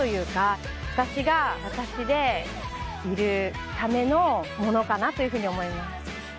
私が私でいるためのものかなというふうに思います。